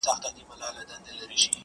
د ژوندون نور وړی دی اوس په مدعا يمه زه.